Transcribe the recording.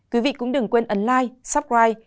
quý vị cũng đừng quên ấn like subscribe